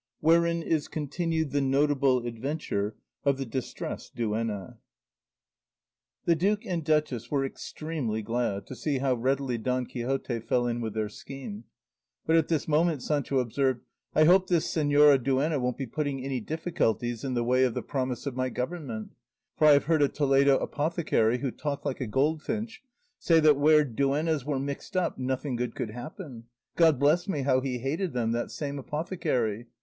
WHEREIN IS CONTINUED THE NOTABLE ADVENTURE OF THE DISTRESSED DUENNA The duke and duchess were extremely glad to see how readily Don Quixote fell in with their scheme; but at this moment Sancho observed, "I hope this señora duenna won't be putting any difficulties in the way of the promise of my government; for I have heard a Toledo apothecary, who talked like a goldfinch, say that where duennas were mixed up nothing good could happen. God bless me, how he hated them, that same apothecary!